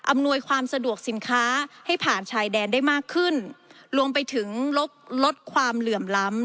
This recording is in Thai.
อำนวยความสะดวกสินค้าให้ผ่านชายแดนได้มากขึ้นรวมไปถึงลบลดความเหลื่อมล้ำ